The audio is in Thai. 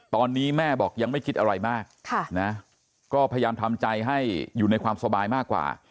ตอนนี้แม่บอกยังไม่คิดอะไรมากก็พยายามทำใจให้อยู่ในความสบายมากกว่า